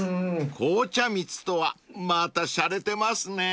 ［紅茶蜜とはまたしゃれてますねぇ］